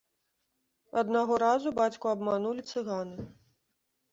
Аднаго разу бацьку абманулі цыганы.